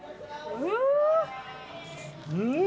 うん！